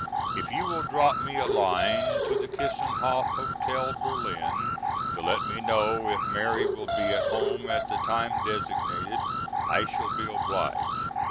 If you will drop me a line to the Kissenhof Hotel, Berlin, to let me know if Mary will be home at the time designated I shall be obliged.